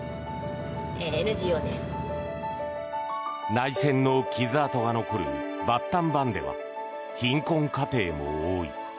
内戦の傷痕が残るバッタンバンでは貧困家庭も多い。